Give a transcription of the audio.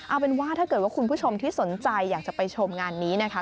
เอาเป็นว่าถ้าเกิดว่าคุณผู้ชมที่สนใจอยากจะไปชมงานนี้นะคะ